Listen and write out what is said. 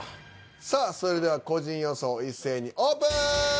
さあそれでは個人予想一斉にオープン。